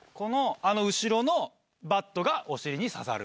あの後ろのバットがお尻に刺さる。